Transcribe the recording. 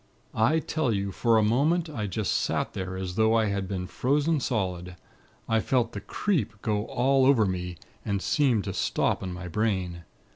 "I tell you, for a moment, I just sat there as though I had been frozen solid. I felt the 'creep' go all over me, and seem to stop in my brain.